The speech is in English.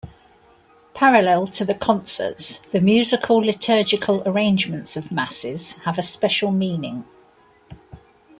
Parallel to the concerts the musical-liturgical arrangements of masses have a special meaning.